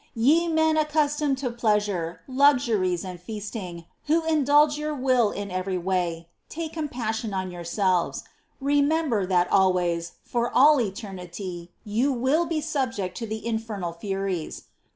5. Ye men accustomed to pleasure, luxuries and feasting, who indulge your will in every way, take com passion on yourselves ! Remember, that always, for all eternity, you will be subject to the infernal furies